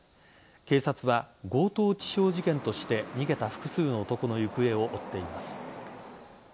警察は強盗致傷事件として逃げた複数の男の行方を追っています。